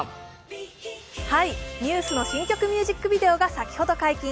ＮＥＷＳの新曲ミュージックビデオが先ほど解禁。